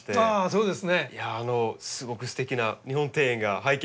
そうですね。